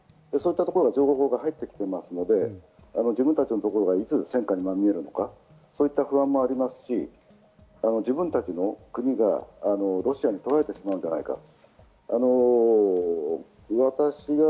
そういう情報が入ってきていますので、自分たちのところがいつ戦火にまみえるのか、そういった不安もありますし、自分たちの国がロシアに取られてしまうんじゃないか。